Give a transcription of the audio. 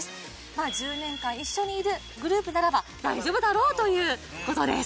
まあ１０年間一緒にいるグループならば大丈夫だろうということです